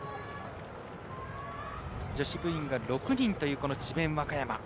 女子部員が６人という智弁和歌山。